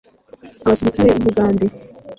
abasirikare b u bugande